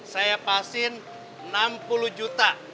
saya pasin enam puluh juta